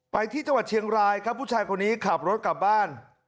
ไปที่จังหวัดเชียงรายครับผู้ชายคนนี้ขับรถกลับบ้าน